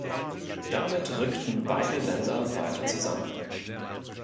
Damit rückten beide Länder weiter zusammen.